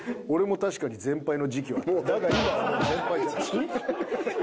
「俺も確かに全敗の時期はあった」